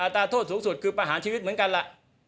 โทษสูงสุดคือประหารชีวิตเหมือนกันล่ะ